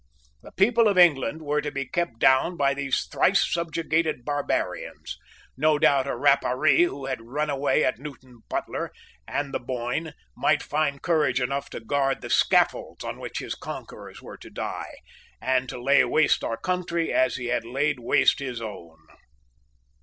The people of England were to be kept down by these thrice subjugated barbarians. No doubt a Rapparee who had run away at Newton Butler and the Boyne might find courage enough to guard the scaffolds on which his conquerors were to die, and to lay waste our country as he had laid waste his own.